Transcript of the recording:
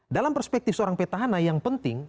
dalam perspektif seorang petahana yang penting